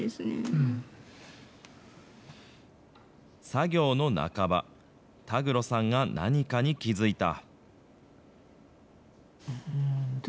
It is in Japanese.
作業の半ば、田畔さんが何かに気付いた。